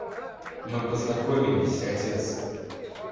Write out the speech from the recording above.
Мы познакомились, отец!